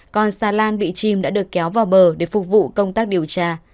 còn xà lan bị chìm đã được kéo vào bờ để phục vụ công tác điều tra